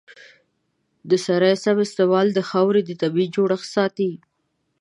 د سرې سم استعمال د خاورې طبیعي جوړښت ساتي.